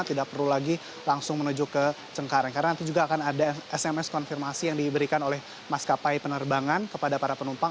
tidak perlu lagi langsung menuju ke cengkareng karena nanti juga akan ada sms konfirmasi yang diberikan oleh maskapai penerbangan kepada para penumpang